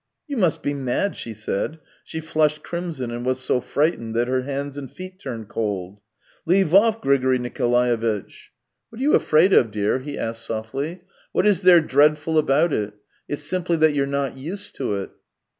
" You must be mad !" she said; she flushed crimson and was so frightened that her hands and feet turned cold. " Leave off, Grigory Nikolaevitch !" THREE YEARS 265 " What are you afraid of, dear ?" he asked softly. " What is there dreadful about it ? It's simply that you're not used to it."